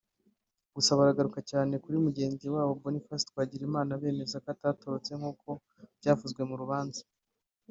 Gusa bagaruka cyane kuri mugenzi wabo Boniface Twagirimana bemeza ko atatorotse nk’uko byavuzwe mu rubanza